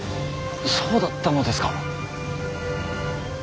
そうだったのですか。